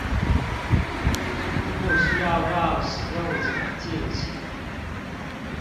不需要讓使用者進行